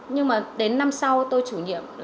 nhưng mà đến năm sau tôi chủ nhiệm